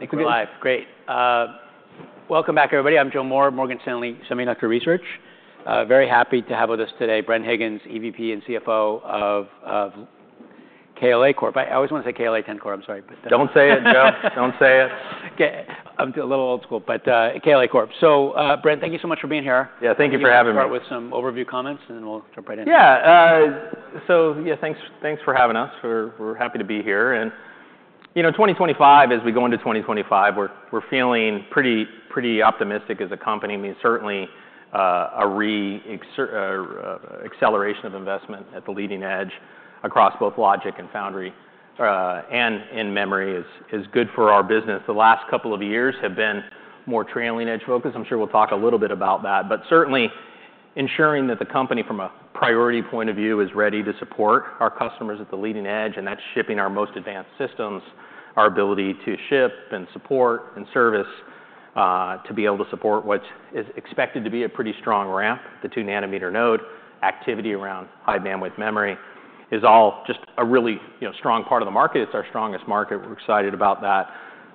Thank you for coming live. Great. Welcome back, everybody. I'm Joe Moore, Morgan Stanley Semiconductor Research. Very happy to have with us today Bren Higgins, EVP and CFO of KLA Corp. I always want to say KLA-Tencor Corp. I'm sorry. Don't say it, Joe. Don't say it. I'm a little old school, but KLA Corp. So, Bren, thank you so much for being here. Yeah, thank you for having me. We'll start with some overview comments, and then we'll jump right in. Yeah. So, yeah, thanks for having us. We're happy to be here. And, you know, 2025, as we go into 2025, we're feeling pretty optimistic as a company. I mean, certainly a re-acceleration of investment at the leading edge across both logic and foundry and in memory is good for our business. The last couple of years have been more trailing edge focus. I'm sure we'll talk a little bit about that. But certainly ensuring that the company, from a priority point of view, is ready to support our customers at the leading edge, and that's shipping our most advanced systems, our ability to ship and support and service, to be able to support what is expected to be a pretty strong ramp, the 2-nanometer node activity around high bandwidth memory is all just a really strong part of the market. It's our strongest market. We're excited about that.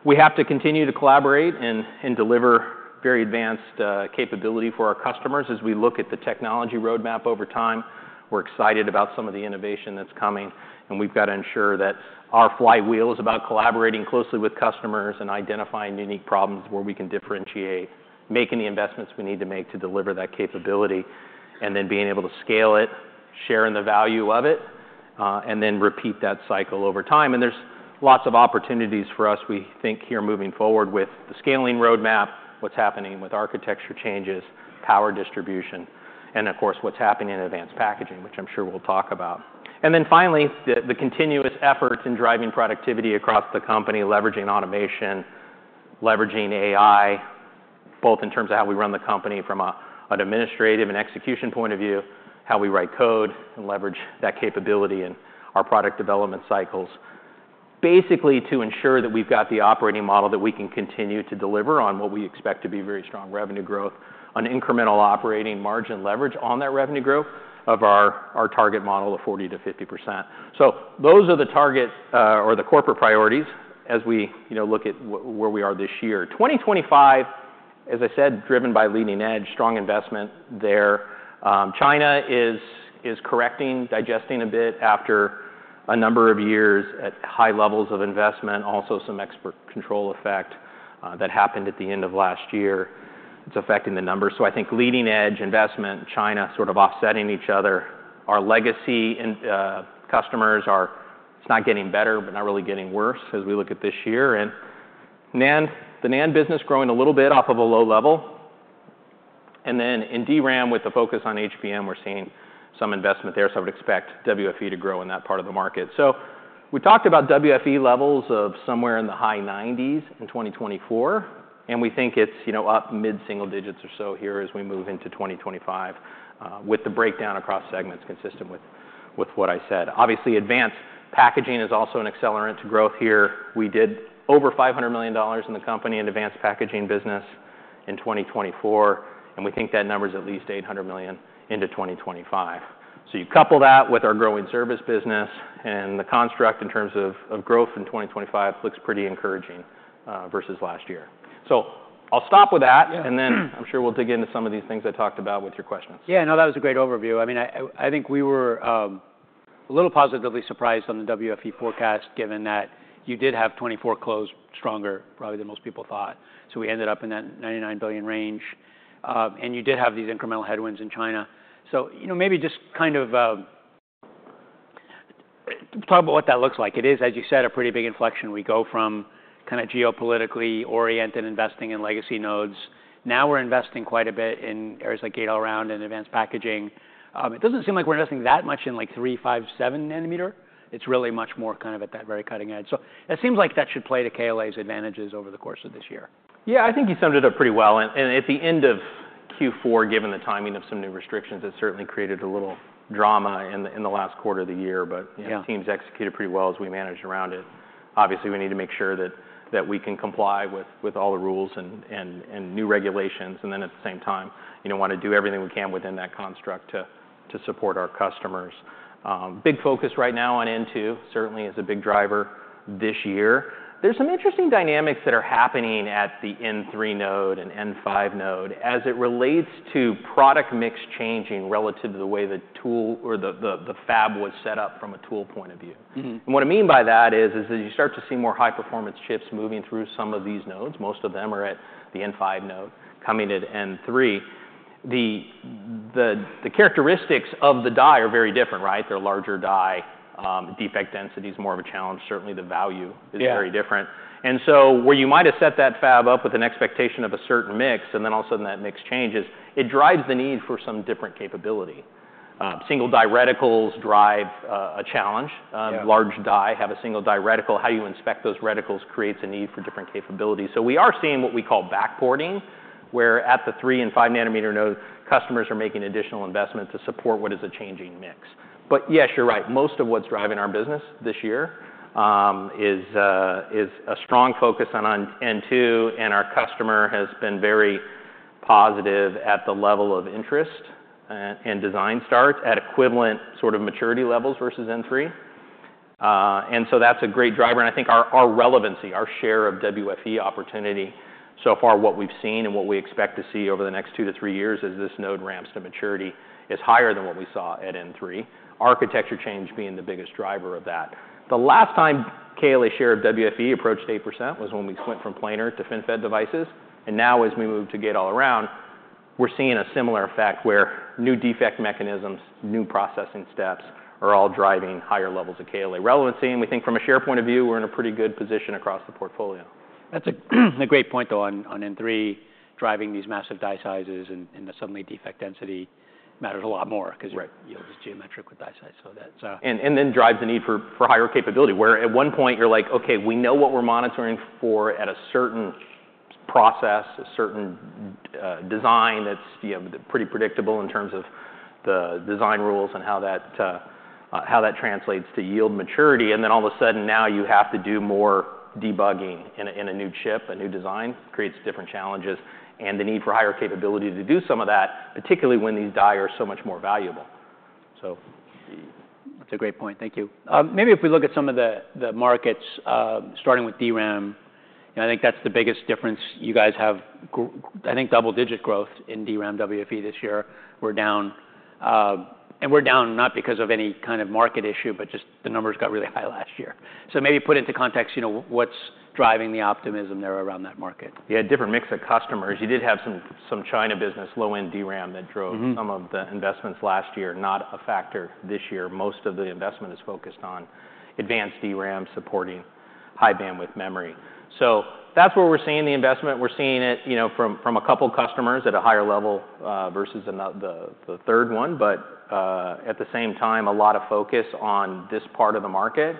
We have to continue to collaborate and deliver very advanced capability for our customers as we look at the technology roadmap over time. We're excited about some of the innovation that's coming, and we've got to ensure that our flywheel is about collaborating closely with customers and identifying unique problems where we can differentiate, making the investments we need to make to deliver that capability, and then being able to scale it, sharing the value of it, and then repeat that cycle over time, and there's lots of opportunities for us, we think, here moving forward with the scaling roadmap, what's happening with architecture changes, power distribution, and, of course, what's happening in advanced packaging, which I'm sure we'll talk about. And then finally, the continuous efforts in driving productivity across the company, leveraging automation, leveraging AI, both in terms of how we run the company from an administrative and execution point of view, how we write code and leverage that capability in our product development cycles, basically to ensure that we've got the operating model that we can continue to deliver on what we expect to be very strong revenue growth, on incremental operating margin leverage on that revenue growth of our target model of 40%-50%. So those are the targets or the corporate priorities as we look at where we are this year. 2025, as I said, driven by leading edge, strong investment there. China is correcting, digesting a bit after a number of years at high levels of investment, also some export control effect that happened at the end of last year. It's affecting the numbers. So, I think leading edge investment, China sort of offsetting each other. Our legacy customers, it's not getting better, but not really getting worse as we look at this year. And the NAND business growing a little bit off of a low level. And then in DRAM with the focus on HBM, we're seeing some investment there. So, I would expect WFE to grow in that part of the market. So, we talked about WFE levels of somewhere in the high 90s in 2024, and we think it's up mid-single digits or so here as we move into 2025 with the breakdown across segments consistent with what I said. Obviously, advanced packaging is also an accelerant to growth here. We did over $500 million in the company in advanced packaging business in 2024, and we think that number is at least $800 million into 2025. So you couple that with our growing service business and the construct in terms of growth in 2025 looks pretty encouraging versus last year. So I'll stop with that, and then I'm sure we'll dig into some of these things I talked about with your questions. Yeah, no, that was a great overview. I mean, I think we were a little positively surprised on the WFE forecast given that you did have 2024 closed stronger probably than most people thought. So we ended up in that $99 billion range, and you did have these incremental headwinds in China. So maybe just kind of talk about what that looks like. It is, as you said, a pretty big inflection. We go from kind of geopolitically oriented investing in legacy nodes. Now we're investing quite a bit in areas like Gate-All-Around and advanced packaging. It doesn't seem like we're investing that much in like 3-, 5-, 7-nanometer. It's really much more kind of at that very cutting edge. So that seems like that should play to KLA's advantages over the course of this year. Yeah, I think you summed it up pretty well. And at the end of Q4, given the timing of some new restrictions, it certainly created a little drama in the last quarter of the year. But the team's executed pretty well as we managed around it. Obviously, we need to make sure that we can comply with all the rules and new regulations. And then at the same time, we want to do everything we can within that construct to support our customers. Big focus right now on N2 certainly is a big driver this year. There's some interesting dynamics that are happening at the N3 node and N5 node as it relates to product mix changing relative to the way the tool or the fab was set up from a tool point of view. What I mean by that is, as you start to see more high-performance chips moving through some of these nodes, most of them are at the N5 node coming to N3, the characteristics of the die are very different, right? They're larger die. Defect density is more of a challenge. Certainly, the value is very different. And so where you might have set that fab up with an expectation of a certain mix and then all of a sudden that mix changes, it drives the need for some different capability. Single-die reticles drive a challenge. Large die have a single-die reticle. How you inspect those reticles creates a need for different capabilities. So we are seeing what we call backporting, where at the 3 and 5-nanometer node, customers are making additional investment to support what is a changing mix. But yes, you're right. Most of what's driving our business this year is a strong focus on N2, and our customer has been very positive at the level of interest and design start at equivalent sort of maturity levels versus N3. And so that's a great driver. And I think our relevancy, our share of WFE opportunity so far, what we've seen and what we expect to see over the next two to three years as this node ramps to maturity is higher than what we saw at N3. Architecture change being the biggest driver of that. The last time KLA share of WFE approached 8% was when we switched from planar to FinFET devices. And now as we move to Gate-All-Around, we're seeing a similar effect where new defect mechanisms, new processing steps are all driving higher levels of KLA relevancy. We think from a share point of view, we're in a pretty good position across the portfolio. That's a great point, though, on N3 driving these massive die sizes and suddenly defect density matters a lot more because yield is geometric with die size. And then drives the need for higher capability, where at one point you're like, "Okay, we know what we're monitoring for at a certain process, a certain design that's pretty predictable in terms of the design rules and how that translates to yield maturity." And then all of a sudden now you have to do more debugging in a new chip, a new design creates different challenges and the need for higher capability to do some of that, particularly when these dies are so much more valuable. So that's a great point. Thank you. Maybe if we look at some of the markets, starting with DRAM, I think that's the biggest difference. You guys have, I think, double-digit growth in DRAM WFE this year. We're down, and we're down not because of any kind of market issue, but just the numbers got really high last year. So maybe put into context what's driving the optimism there around that market. Yeah, different mix of customers. You did have some China business, low-end DRAM that drove some of the investments last year, not a factor this year. Most of the investment is focused on advanced DRAM supporting high bandwidth memory. So that's where we're seeing the investment. We're seeing it from a couple of customers at a higher level versus the third one, but at the same time, a lot of focus on this part of the market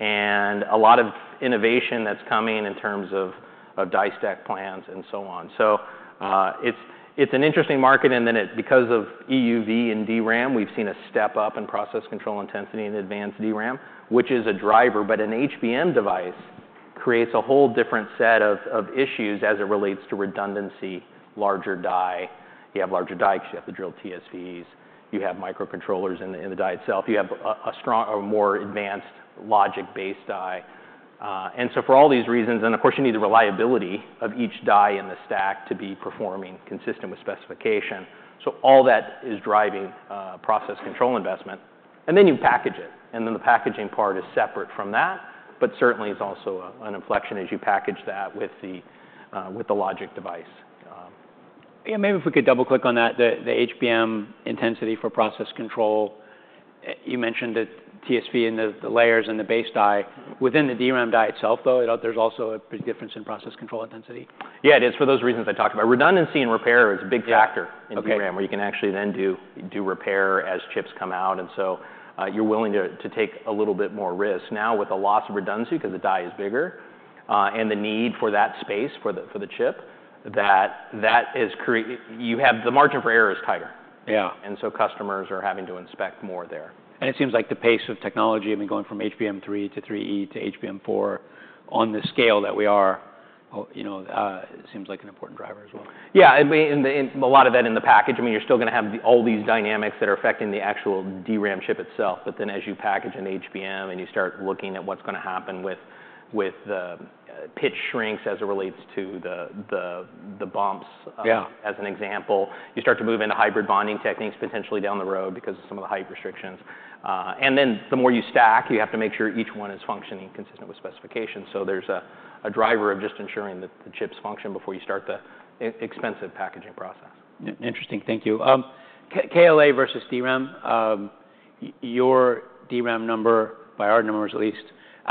and a lot of innovation that's coming in terms of die stack plans and so on. So it's an interesting market. And then because of EUV and DRAM, we've seen a step up in process control intensity in advanced DRAM, which is a driver, but an HBM device creates a whole different set of issues as it relates to redundancy, larger die. You have larger die because you have to drill TSVs. You have microcontrollers in the die itself. You have a more advanced logic-based die. And so for all these reasons, and of course, you need the reliability of each die in the stack to be performing consistent with specification. So all that is driving process control investment. And then you package it, and then the packaging part is separate from that, but certainly is also an inflection as you package that with the logic device. Yeah, maybe if we could double-click on that, the HBM intensity for process control, you mentioned the TSV and the layers and the base die. Within the DRAM die itself, though, there's also a difference in process control intensity? Yeah, it is for those reasons I talked about. Redundancy and repair is a big factor in DRAM where you can actually then do repair as chips come out. And so you're willing to take a little bit more risk. Now with a loss of redundancy because the die is bigger and the need for that space for the chip, that is created, you have the margin for error is tighter. Yeah, and so customers are having to inspect more there. It seems like the pace of technology, I mean, going from HBM3 to HBM3E to HBM4 on the scale that we are. It seems like an important driver as well. Yeah, I mean, a lot of that in the package. I mean, you're still going to have all these dynamics that are affecting the actual DRAM chip itself. But then as you package an HBM and you start looking at what's going to happen with the pitch shrinks as it relates to the bumps as an example, you start to move into hybrid bonding techniques potentially down the road because of some of the height restrictions. And then the more you stack, you have to make sure each one is functioning consistent with specification. So there's a driver of just ensuring that the chips function before you start the expensive packaging process. Interesting. Thank you. KLA versus DRAM. Your DRAM number, by our numbers at least,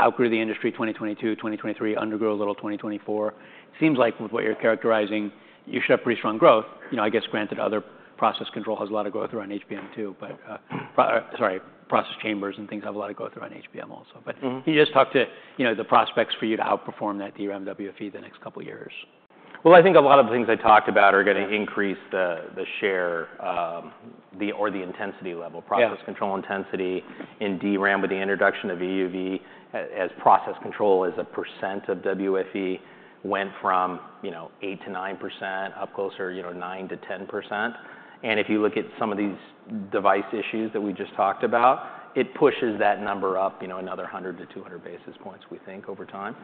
outgrew the industry 2022, 2023, undergrew a little 2024. It seems like with what you're characterizing, you should have pretty strong growth. I guess granted other process control has a lot of growth around HBM too, but sorry, process chambers and things have a lot of growth around HBM also. But can you just talk to the prospects for you to outperform that DRAM WFE the next couple of years? I think a lot of the things I talked about are going to increase the share or the intensity level, process control intensity in DRAM with the introduction of EUV, as process control as a percent of WFE went from 8% to 9%, up closer to 9% to 10%. If you look at some of these device issues that we just talked about, it pushes that number up another 100-200 basis points, we think, over time.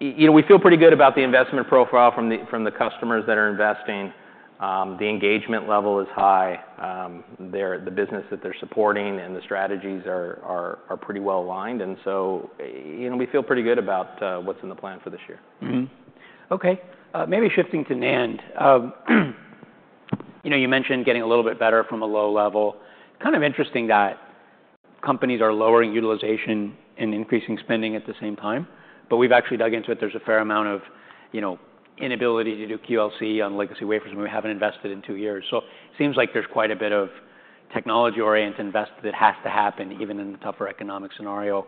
We feel pretty good about the investment profile from the customers that are investing. The engagement level is high. The business that they're supporting and the strategies are pretty well aligned. We feel pretty good about what's in the plan for this year. Okay. Maybe shifting to NAND, you mentioned getting a little bit better from a low level. Kind of interesting that companies are lowering utilization and increasing spending at the same time, but we've actually dug into it. There's a fair amount of inability to do QLC on legacy wafers when we haven't invested in two years. So it seems like there's quite a bit of technology-oriented investment that has to happen even in a tougher economic scenario.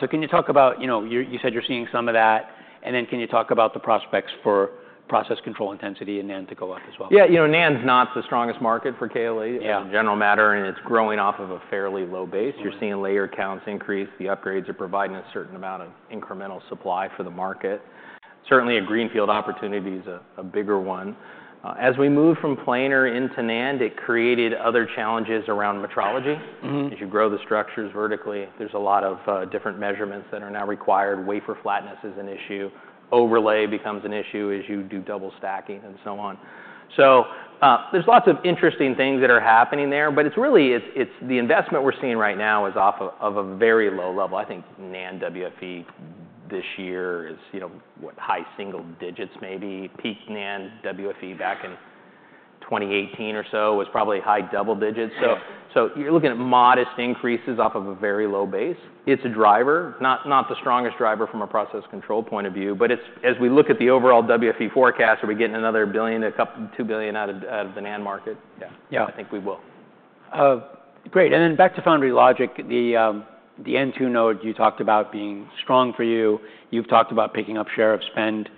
So can you talk about, you said you're seeing some of that, and then can you talk about the prospects for process control intensity in NAND to go up as well? Yeah, you know NAND's not the strongest market for KLA in general, and it's growing off of a fairly low base. You're seeing layer counts increase. The upgrades are providing a certain amount of incremental supply for the market. Certainly, a greenfield opportunity is a bigger one. As we move from planar into NAND, it created other challenges around metrology. As you grow the structures vertically, there's a lot of different measurements that are now required. Wafer flatness is an issue. Overlay becomes an issue as you do double stacking and so on. So there's lots of interesting things that are happening there, but it's really the investment we're seeing right now is off of a very low level. I think NAND WFE this year is what high single digits maybe. Peak NAND WFE back in 2018 or so was probably high double digits. So you're looking at modest increases off of a very low base. It's a driver, not the strongest driver from a process control point of view, but as we look at the overall WFE forecast, are we getting another billion, two billion out of the NAND market? Yeah, I think we will. Great. And then back to foundry logic, the N2 node you talked about being strong for you. You've talked about picking up share of spend.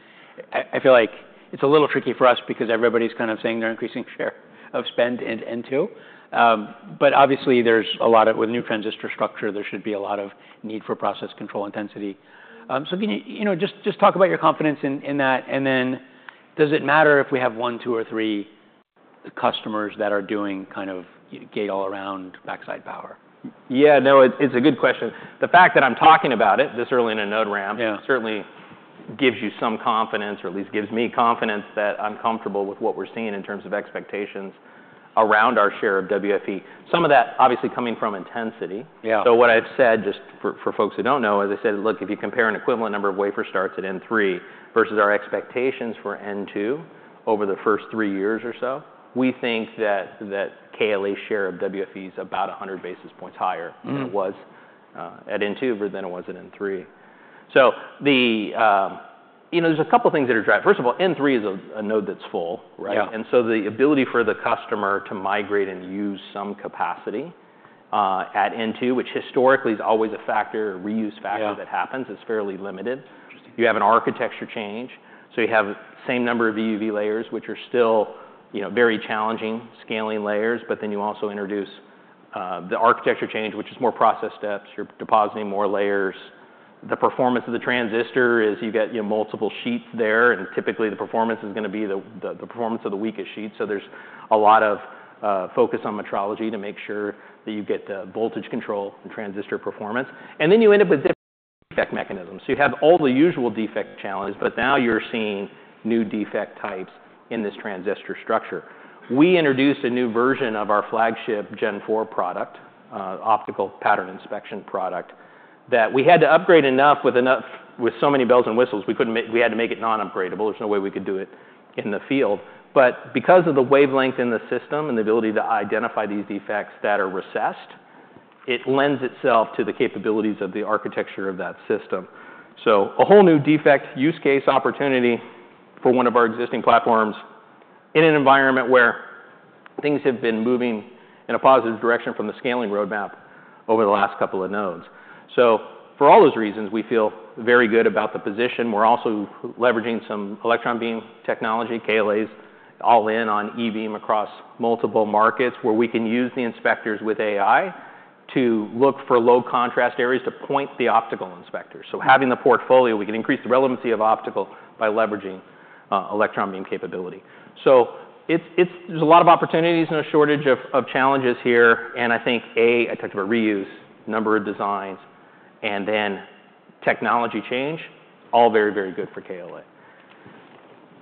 I feel like it's a little tricky for us because everybody's kind of saying they're increasing share of spend in N2, but obviously there's a lot of with new transistor structure, there should be a lot of need for process control intensity. So can you just talk about your confidence in that? And then does it matter if we have one, two, or three customers that are doing kind of Gate-All-Around backside power? Yeah, no, it's a good question. The fact that I'm talking about it this early in a node ramp certainly gives you some confidence, or at least gives me confidence that I'm comfortable with what we're seeing in terms of expectations around our share of WFE. Some of that obviously coming from intensity. So what I've said just for folks who don't know, as I said, look, if you compare an equivalent number of wafer starts at N3 versus our expectations for N2 over the first three years or so, we think that KLA's share of WFE is about 100 basis points higher than it was at N2 than it was at N3. So there's a couple of things that are driving. First of all, N3 is a node that's full, right? And so the ability for the customer to migrate and use some capacity at N2, which historically is always a reuse factor that happens, is fairly limited. You have an architecture change. So you have the same number of EUV layers, which are still very challenging scaling layers, but then you also introduce the architecture change, which is more process steps. You're depositing more layers. The performance of the transistor is you get multiple sheets there, and typically the performance is going to be the performance of the weakest sheet. So there's a lot of focus on metrology to make sure that you get voltage contrast and transistor performance. And then you end up with different defect mechanisms. So you have all the usual defect challenges, but now you're seeing new defect types in this transistor structure. We introduced a new version of our flagship Gen4 product, optical pattern inspection product, that we had to upgrade enough with so many bells and whistles. We had to make it non-upgradable. There's no way we could do it in the field. But because of the wavelength in the system and the ability to identify these defects that are recessed, it lends itself to the capabilities of the architecture of that system. So a whole new defect use case opportunity for one of our existing platforms in an environment where things have been moving in a positive direction from the scaling roadmap over the last couple of nodes. So for all those reasons, we feel very good about the position. We're also leveraging some electron beam technology. KLA's all in on e-beam across multiple markets where we can use the inspectors with AI to look for low contrast areas to point the optical inspectors, so having the portfolio, we can increase the relevancy of optical by leveraging electron beam capability, so there's a lot of opportunities and a shortage of challenges here, and I think, A, I talked about reuse, number of designs, and then technology change, all very, very good for KLA.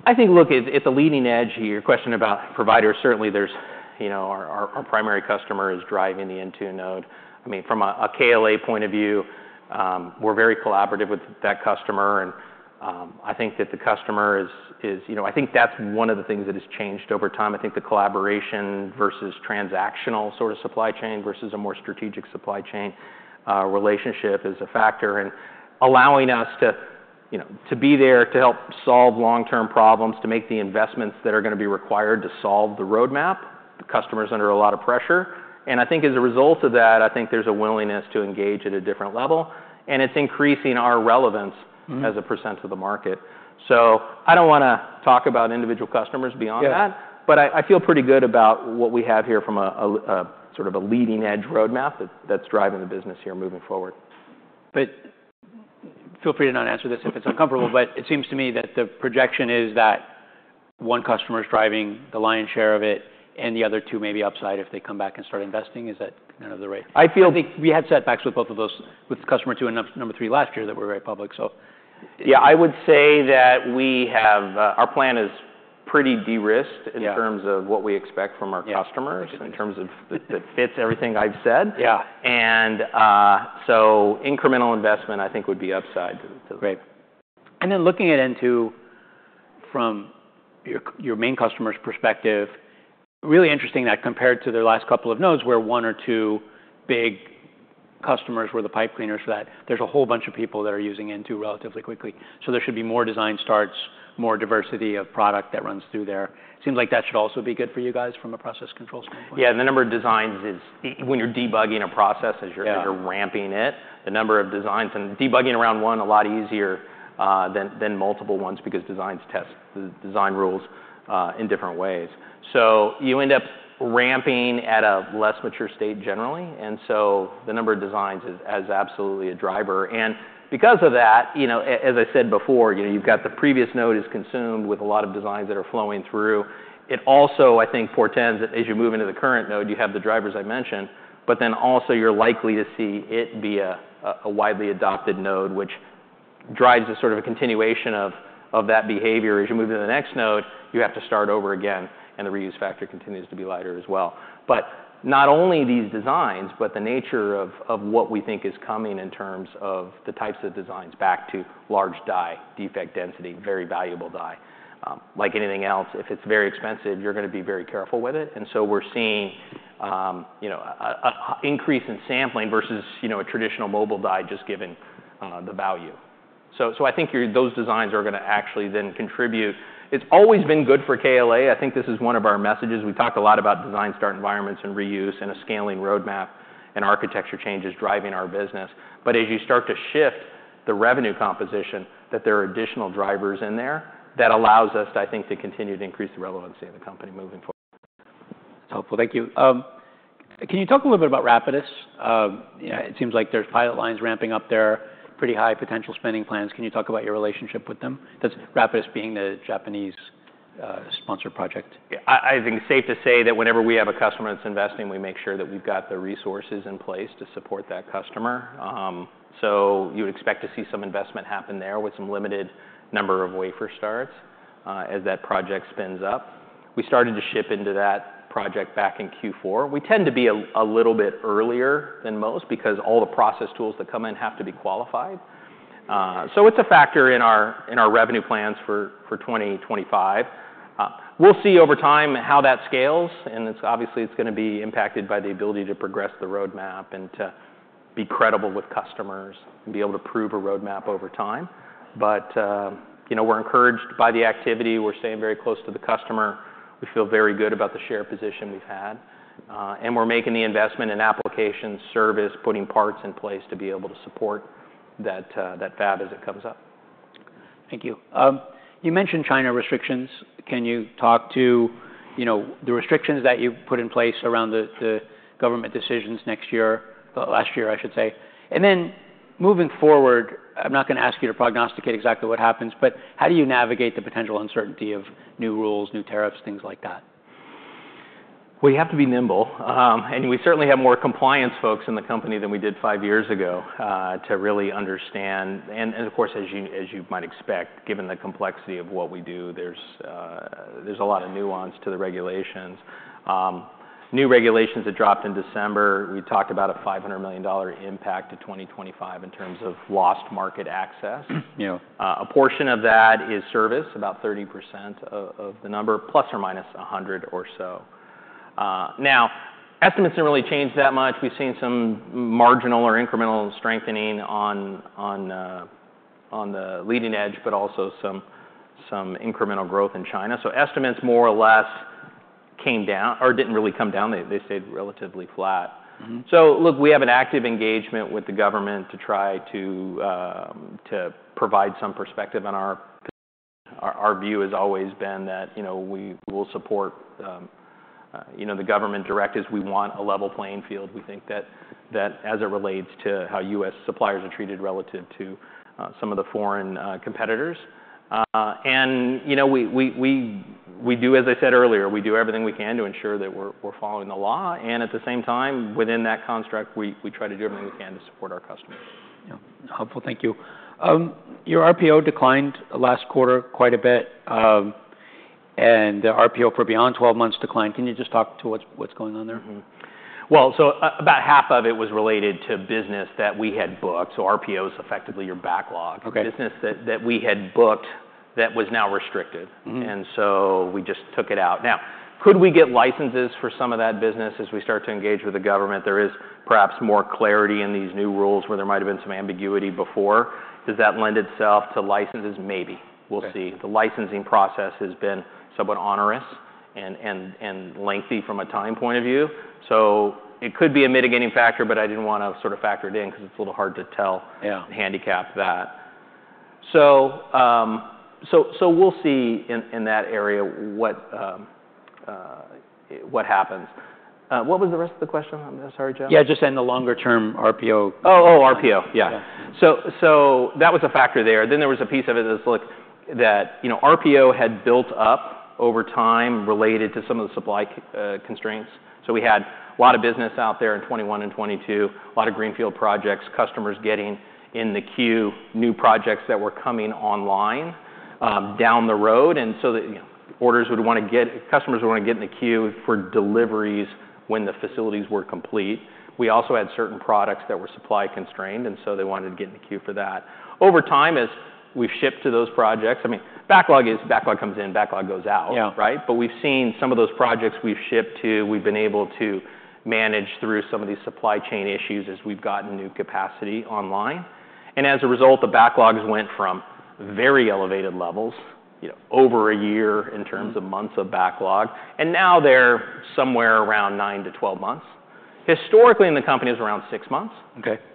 I think, look, at the leading edge here, question about providers. Certainly our primary customer is driving the N2 node. I mean, from a KLA point of view, we're very collaborative with that customer, and I think that the customer is. I think that's one of the things that has changed over time. I think the collaboration versus transactional sort of supply chain versus a more strategic supply chain relationship is a factor in allowing us to be there to help solve long-term problems, to make the investments that are going to be required to solve the roadmap. The customer's under a lot of pressure, and I think as a result of that, I think there's a willingness to engage at a different level, and it's increasing our relevance as a percent of the market, so I don't want to talk about individual customers beyond that, but I feel pretty good about what we have here from a sort of a leading edge roadmap that's driving the business here moving forward. But feel free to not answer this if it's uncomfortable, but it seems to me that the projection is that one customer's driving the lion's share of it and the other two maybe upside if they come back and start investing. Is that kind of the rate? I think we had setbacks with both of those, with customer two and number three last year that were very public, so. Yeah, I would say that we have our plan is pretty de-risked in terms of what we expect from our customers, in terms of that fits everything I've said. Yeah, and so incremental investment I think would be upside to the. Great, and then looking at N2 from your main customer's perspective, really interesting that compared to their last couple of nodes where one or two big customers were the pipe cleaners for that, there's a whole bunch of people that are using N2 relatively quickly, so there should be more design starts, more diversity of product that runs through there. Seems like that should also be good for you guys from a process control standpoint. Yeah, the number of designs is, when you're debugging a process as you're ramping it, the number of designs, and debugging around one is a lot easier than multiple ones because designs test the design rules in different ways. So you end up ramping at a less mature state generally. And so the number of designs is absolutely a driver. And because of that, as I said before, you've got the previous node is consumed with a lot of designs that are flowing through. It also, I think, portends that as you move into the current node, you have the drivers I mentioned, but then also you're likely to see it be a widely adopted node, which drives a sort of a continuation of that behavior. As you move to the next node, you have to start over again, and the reuse factor continues to be lighter as well. But not only these designs, but the nature of what we think is coming in terms of the types of designs back to large die defect density, very valuable die. Like anything else, if it's very expensive, you're going to be very careful with it. And so we're seeing an increase in sampling versus a traditional mobile die just given the value. So I think those designs are going to actually then contribute. It's always been good for KLA. I think this is one of our messages. We talked a lot about design start environments and reuse and a scaling roadmap and architecture changes driving our business. But as you start to shift the revenue composition, that there are additional drivers in there that allows us, I think, to continue to increase the relevancy of the company moving forward. That's helpful. Thank you. Can you talk a little bit about Rapidus? It seems like there's pilot lines ramping up there, pretty high potential spending plans. Can you talk about your relationship with them? That's Rapidus being the Japanese sponsored project. I think it's safe to say that whenever we have a customer that's investing, we make sure that we've got the resources in place to support that customer. So you would expect to see some investment happen there with some limited number of wafer starts as that project spins up. We started to ship into that project back in Q4. We tend to be a little bit earlier than most because all the process tools that come in have to be qualified. So it's a factor in our revenue plans for 2025. We'll see over time how that scales, and obviously it's going to be impacted by the ability to progress the roadmap and to be credible with customers and be able to prove a roadmap over time. But we're encouraged by the activity. We're staying very close to the customer. We feel very good about the share position we've had, and we're making the investment in application service, putting parts in place to be able to support that fab as it comes up. Thank you. You mentioned China restrictions. Can you talk to the restrictions that you've put in place around the government decisions next year, last year, I should say? And then moving forward, I'm not going to ask you to prognosticate exactly what happens, but how do you navigate the potential uncertainty of new rules, new tariffs, things like that? We have to be nimble. And we certainly have more compliance folks in the company than we did five years ago to really understand. And of course, as you might expect, given the complexity of what we do, there's a lot of nuance to the regulations. New regulations that dropped in December, we talked about a $500 million impact to 2025 in terms of lost market access. A portion of that is service, about 30% of the number, plus or minus 100 or so. Now, estimates don't really change that much. We've seen some marginal or incremental strengthening on the leading edge, but also some incremental growth in China. So estimates more or less came down or didn't really come down. They stayed relatively flat. So look, we have an active engagement with the government to try to provide some perspective on our position. Our view has always been that we will support the government directives. We want a level playing field. We think that as it relates to how U.S. suppliers are treated relative to some of the foreign competitors. And we do, as I said earlier, we do everything we can to ensure that we're following the law. And at the same time, within that construct, we try to do everything we can to support our customers. Helpful. Thank you. Your RPO declined last quarter quite a bit, and the RPO for beyond 12 months declined. Can you just talk to what's going on there? About half of it was related to business that we had booked. RPO is effectively your backlog. Business that we had booked that was now restricted. We just took it out. Now, could we get licenses for some of that business as we start to engage with the government? There is perhaps more clarity in these new rules where there might have been some ambiguity before. Does that lend itself to licenses? Maybe. We'll see. The licensing process has been somewhat onerous and lengthy from a time point of view. It could be a mitigating factor, but I didn't want to sort of factor it in because it's a little hard to handicap that. We'll see in that area what happens. What was the rest of the question? I'm sorry, Joe. Yeah, just in the longer-term RPO. Oh, oh, RPO. Yeah. So that was a factor there. Then there was a piece of it that looked that RPO had built up over time related to some of the supply constraints. So we had a lot of business out there in 2021 and 2022, a lot of greenfield projects, customers getting in the queue, new projects that were coming online down the road. And so orders would want to get, customers would want to get in the queue for deliveries when the facilities were complete. We also had certain products that were supply constrained, and so they wanted to get in the queue for that. Over time, as we've shipped to those projects, I mean, backlog is backlog comes in, backlog goes out, right? But we've seen some of those projects we've shipped to. We've been able to manage through some of these supply chain issues as we've gotten new capacity online. And as a result, the backlogs went from very elevated levels, over a year in terms of months of backlog, and now they're somewhere around nine to 12 months. Historically, in the company, it was around six months.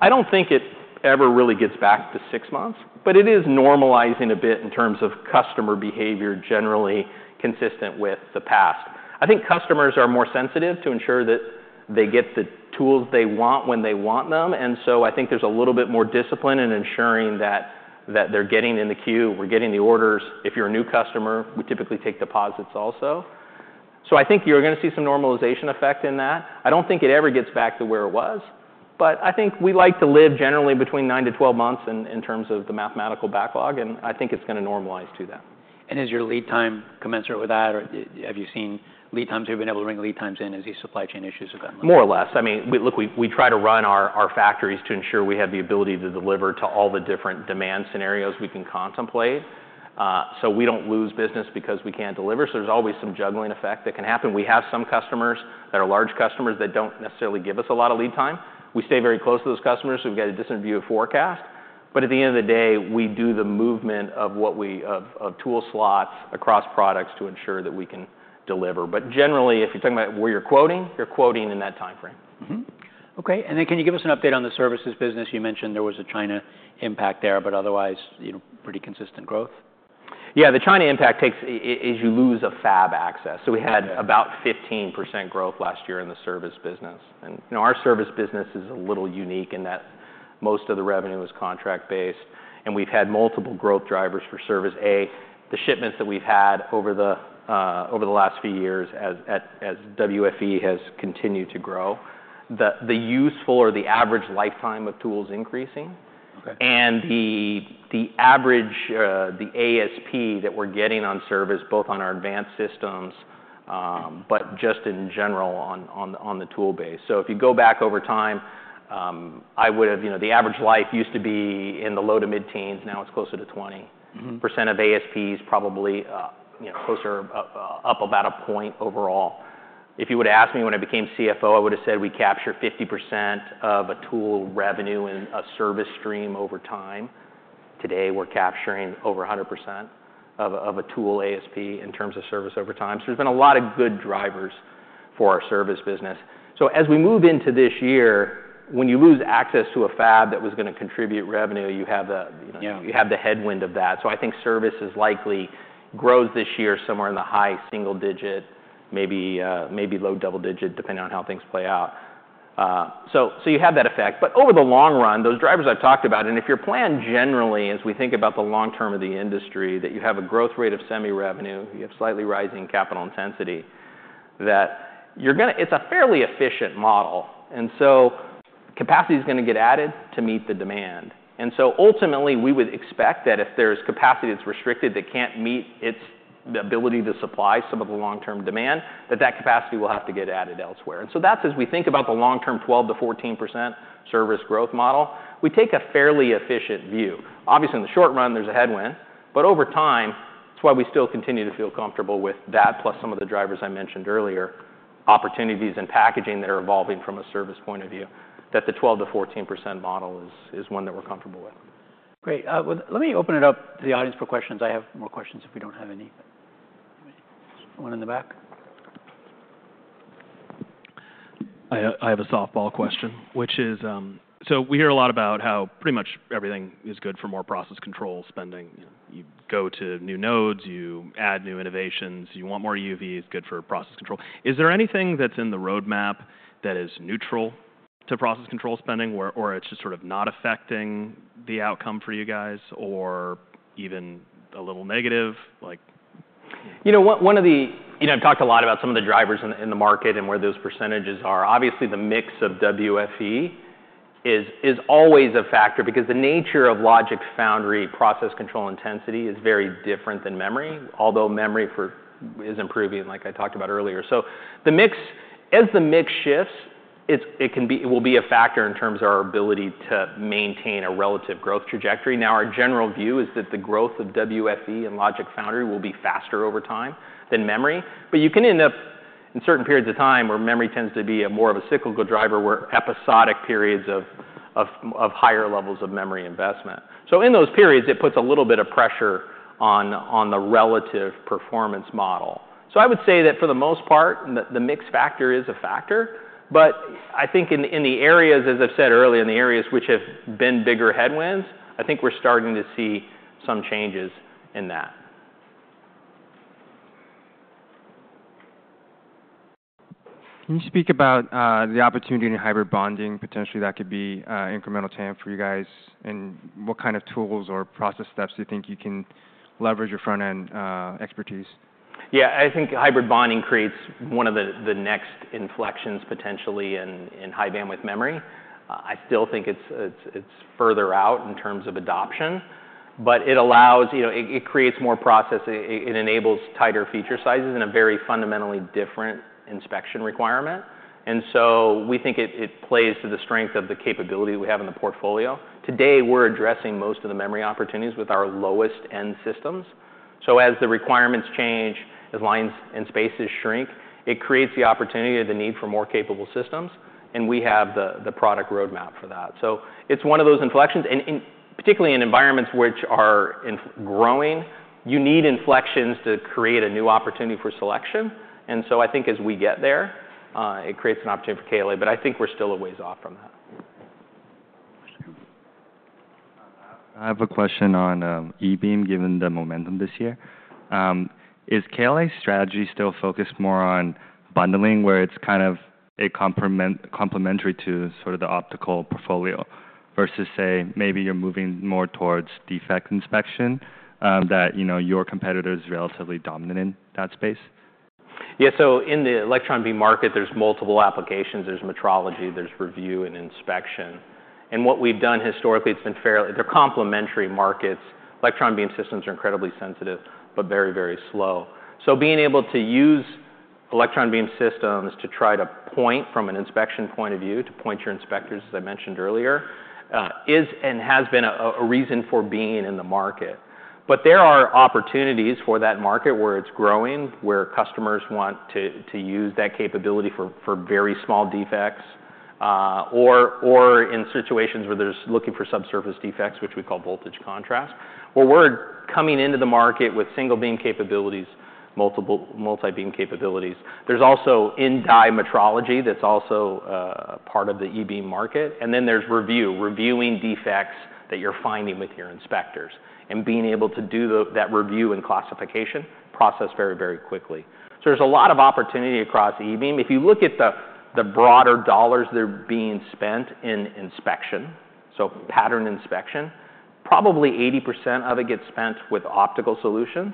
I don't think it ever really gets back to six months, but it is normalizing a bit in terms of customer behavior generally consistent with the past. I think customers are more sensitive to ensure that they get the tools they want when they want them. And so I think there's a little bit more discipline in ensuring that they're getting in the queue, we're getting the orders. If you're a new customer, we typically take deposits also. I think you're going to see some normalization effect in that. I don't think it ever gets back to where it was, but I think we like to live generally between 9-12 months in terms of the mathematical backlog, and I think it's going to normalize to that. Is your lead time commensurate with that, or have you seen lead times? Have you been able to bring lead times in as these supply chain issues have been? More or less. I mean, look, we try to run our factories to ensure we have the ability to deliver to all the different demand scenarios we can contemplate. So we don't lose business because we can't deliver. So there's always some juggling effect that can happen. We have some customers that are large customers that don't necessarily give us a lot of lead time. We stay very close to those customers, so we've got a distant view of forecast. But at the end of the day, we do the movement of tool slots across products to ensure that we can deliver. But generally, if you're talking about where you're quoting, you're quoting in that timeframe. Okay. And then can you give us an update on the services business? You mentioned there was a China impact there, but otherwise pretty consistent growth. Yeah, the China impact is you lose a fab access. So we had about 15% growth last year in the service business. Our service business is a little unique in that most of the revenue is contract-based. We've had multiple growth drivers for service: A, the shipments that we've had over the last few years as WFE has continued to grow, the useful or the average lifetime of tools increasing, and the average, the ASP that we're getting on service, both on our advanced systems, but just in general on the tool base. If you go back over time, I would have, the average life used to be in the low to mid-teens. Now it's closer to 20% of ASPs, probably closer up about a point overall. If you would have asked me when I became CFO, I would have said we capture 50% of a tool revenue in a service stream over time. Today, we're capturing over 100% of a tool ASP in terms of service over time. So there's been a lot of good drivers for our service business. So as we move into this year, when you lose access to a fab that was going to contribute revenue, you have the headwind of that. So I think service is likely grows this year somewhere in the high single digit, maybe low double digit, depending on how things play out. So you have that effect. But over the long run, those drivers I've talked about, and if you're planned generally, as we think about the long-term of the industry, that you have a growth rate of semi-revenue, you have slightly rising capital intensity, that it's a fairly efficient model. And so capacity is going to get added to meet the demand. And so ultimately, we would expect that if there's capacity that's restricted that can't meet its ability to supply some of the long-term demand, that that capacity will have to get added elsewhere. And so that's as we think about the long-term 12%-14% service growth model, we take a fairly efficient view. Obviously, in the short run, there's a headwind, but over time, that's why we still continue to feel comfortable with that, plus some of the drivers I mentioned earlier, opportunities and packaging that are evolving from a service point of view, that the 12%-14% model is one that we're comfortable with. Great. Let me open it up to the audience for questions. I have more questions if we don't have any. One in the back. I have a softball question, which is, so we hear a lot about how pretty much everything is good for more process control spending. You go to new nodes, you add new innovations, you want more EUVs, good for process control. Is there anything that's in the roadmap that is neutral to process control spending, or it's just sort of not affecting the outcome for you guys, or even a little negative? You know, one of the, you know, I've talked a lot about some of the drivers in the market and where those percentages are. Obviously, the mix of WFE is always a factor because the nature of Logic Foundry process control intensity is very different than memory, although memory is improving, like I talked about earlier. So as the mix shifts, it will be a factor in terms of our ability to maintain a relative growth trajectory. Now, our general view is that the growth of WFE and Logic Foundry will be faster over time than memory. But you can end up in certain periods of time where memory tends to be more of a cyclical driver, where episodic periods of higher levels of memory investment. So in those periods, it puts a little bit of pressure on the relative performance model. So I would say that for the most part, the mix factor is a factor. But I think in the areas, as I've said earlier, in the areas which have been bigger headwinds, I think we're starting to see some changes in that. Can you speak about the opportunity in hybrid bonding, potentially that could be incremental TAM for you guys, and what kind of tools or process steps do you think you can leverage your front-end expertise? Yeah, I think hybrid bonding creates one of the next inflections potentially in high-bandwidth memory. I still think it's further out in terms of adoption, but it allows, it creates more process. It enables tighter feature sizes and a very fundamentally different inspection requirement. And so we think it plays to the strength of the capability we have in the portfolio. Today, we're addressing most of the memory opportunities with our lowest-end systems. So as the requirements change, as lines and spaces shrink, it creates the opportunity or the need for more capable systems, and we have the product roadmap for that. So it's one of those inflections, and particularly in environments which are growing, you need inflections to create a new opportunity for selection. And so I think as we get there, it creates an opportunity for KLA, but I think we're still a ways off from that. I have a question on e-beam, given the momentum this year. Is KLA's strategy still focused more on bundling, where it's kind of complementary to sort of the optical portfolio, versus say, maybe you're moving more towards defect inspection, that your competitor is relatively dominant in that space? Yeah, so in the electron beam market, there's multiple applications. There's metrology, there's review, and inspection. And what we've done historically, it's been fairly complementary markets. Electron beam systems are incredibly sensitive, but very, very slow. So being able to use electron beam systems to try to point from an inspection point of view, to point your inspectors, as I mentioned earlier, is and has been a reason for being in the market. But there are opportunities for that market where it's growing, where customers want to use that capability for very small defects, or in situations where they're looking for subsurface defects, which we call voltage contrast, where we're coming into the market with single beam capabilities, multi-beam capabilities. There's also in-die metrology that's also part of the e-beam market. And then there's review, reviewing defects that you're finding with your inspectors, and being able to do that review and classification process very, very quickly. So there's a lot of opportunity across e-beam. If you look at the broader dollars that are being spent in inspection, so pattern inspection, probably 80% of it gets spent with optical solutions.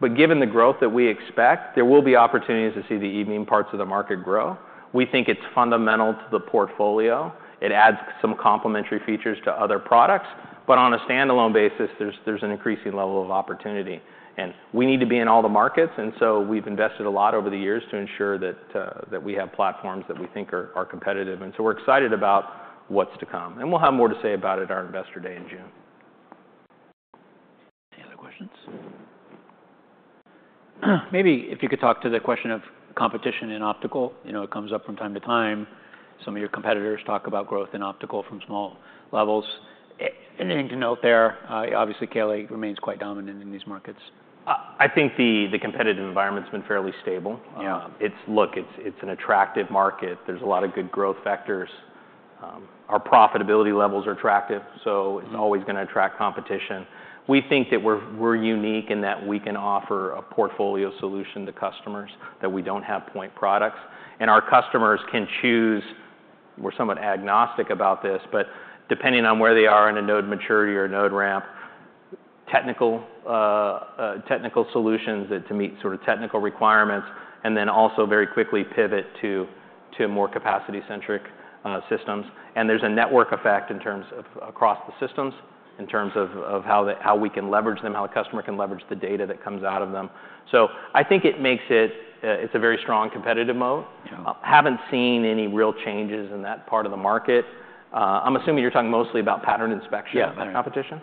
But given the growth that we expect, there will be opportunities to see the e-beam parts of the market grow. We think it's fundamental to the portfolio. It adds some complementary features to other products. But on a standalone basis, there's an increasing level of opportunity. And we need to be in all the markets, and so we've invested a lot over the years to ensure that we have platforms that we think are competitive. And so we're excited about what's to come. We'll have more to say about it at our investor day in June. Any other questions? Maybe if you could talk to the question of competition in optical. You know, it comes up from time to time. Some of your competitors talk about growth in optical from small levels. Anything to note there? Obviously, KLA remains quite dominant in these markets. I think the competitive environment has been fairly stable. Look, it's an attractive market. There's a lot of good growth factors. Our profitability levels are attractive, so it's always going to attract competition. We think that we're unique in that we can offer a portfolio solution to customers that we don't have point products, and our customers can choose. We're somewhat agnostic about this, but depending on where they are in a node maturity or node ramp, technical solutions that meet sort of technical requirements, and then also very quickly pivot to more capacity-centric systems, and there's a network effect across the systems in terms of how we can leverage them, how a customer can leverage the data that comes out of them, so I think it makes it a very strong competitive mode. Haven't seen any real changes in that part of the market. I'm assuming you're talking mostly about pattern inspection competition.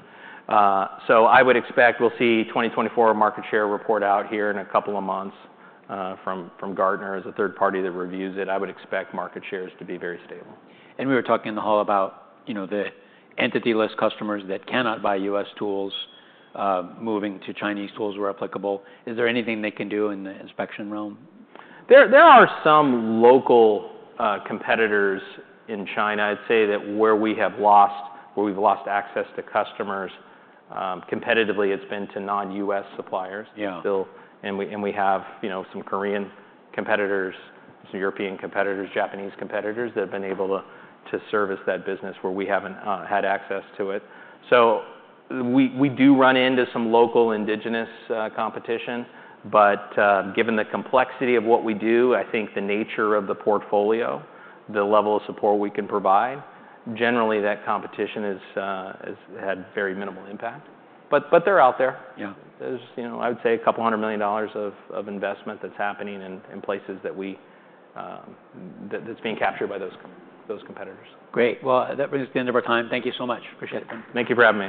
So I would expect we'll see 2024 market share report out here in a couple of months from Gartner as a third party that reviews it. I would expect market shares to be very stable. We were talking in the hall about the Entity List customers that cannot buy U.S. tools, moving to Chinese tools where applicable. Is there anything they can do in the inspection realm? There are some local competitors in China. I'd say that where we have lost, where we've lost access to customers competitively, it's been to non-U.S. suppliers, and we have some Korean competitors, some European competitors, Japanese competitors that have been able to service that business where we haven't had access to it, so we do run into some local indigenous competition, but given the complexity of what we do, I think the nature of the portfolio, the level of support we can provide, generally that competition has had very minimal impact, but they're out there. There's, you know, I would say $200 million of investment that's happening in places that we, that's being captured by those competitors. Great. Well, that brings us to the end of our time. Thank you so much. Appreciate it. Thank you for having me.